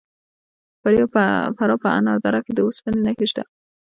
د فراه په انار دره کې د وسپنې نښې شته.